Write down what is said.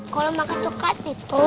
kalau makan coklat itu